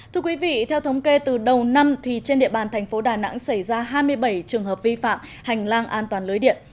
thưa quý vị theo thống kê từ đầu năm trên địa bàn thành phố đà nẵng xảy ra hai mươi bảy trường hợp vi phạm hành lang an toàn lưới điện